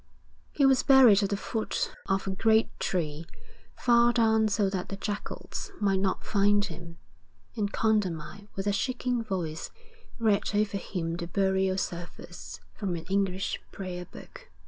He was buried at the foot of a great tree, far down so that the jackals might not find him, and Condamine with a shaking voice read over him the burial service from an English prayerbook.